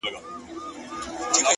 • د هغې خوله ؛ شونډي ؛ پېزوان او زنـي؛